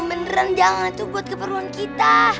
beneran jangan itu buat keperluan kita